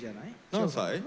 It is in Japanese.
何歳？